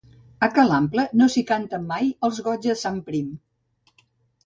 A ca l'Ample, no s'hi canten mai els goigs de sant Prim.